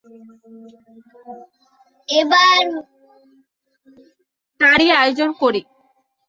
এবার তারই আয়োজন করি।